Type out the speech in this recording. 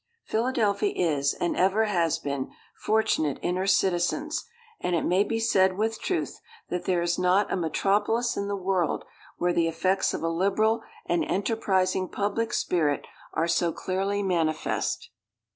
Philadelphia is, and ever has been, fortunate in her citizens; and it may be said with truth that there is not a metropolis in the world where the effects of a liberal and enterprising public spirit are so clearly manifest.